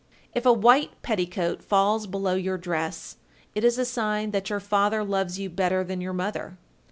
If a white petticoat falls below your dress, it is a sign that your father loves you better than your mother.